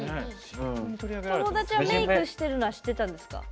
友達はメークしてるのは知ってるんですか？